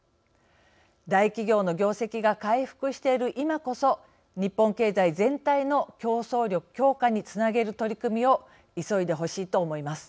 大企業の業績が回復している今こそ日本経済全体の競争力強化につなげる取り組みを急いでほしいと思います。